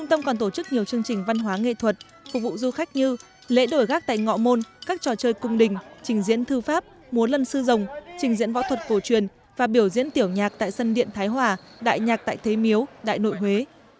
trong đó có khoảng sáu mươi hai lượt khách ở gác tại ngọ môn các trò chơi cung đình trình diễn thư pháp múa lân sư rồng trình diễn võ thuật phổ truyền và biểu diễn tiểu nhạc tại sân điện thái hòa đại nhạc tại thế miếu đại nội huế